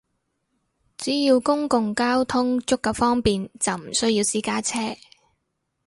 只要公共交通足夠方便，就唔需要私家車